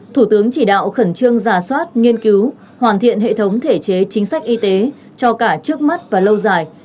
thủ tướng chỉ đạo khẩn trương giả soát nghiên cứu hoàn thiện hệ thống thể chế chính sách y tế cho cả trước mắt và lâu dài